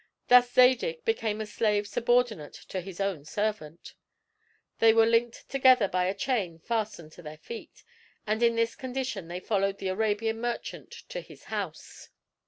Thus Zadig became a slave subordinate to his own servant. They were linked together by a chain fastened to their feet, and in this condition they followed the Arabian merchant to his house.